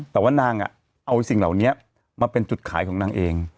แต่ว่านางเอาสิ่งเหล่านี้มาเป็นจุดขายของนางเอง